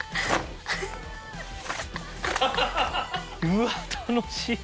うわっ楽しい。